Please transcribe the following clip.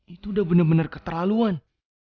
itu udah bener bener keterlaluan